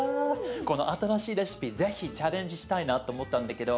この新しいレシピ是非チャレンジしたいなと思ったんだけど。